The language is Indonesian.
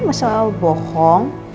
masalah lu bohong